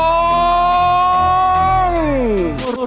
ร้องได้ให้ร้าง